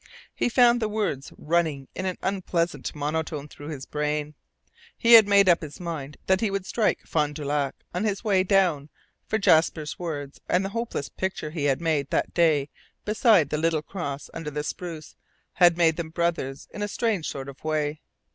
He found the words running in an unpleasant monotone through his brain. He had made up his mind that he would strike Fond du Lac on his way down, for Jasper's words and the hopeless picture he had made that day beside the little cross under the spruce had made them brothers in a strange sort of way.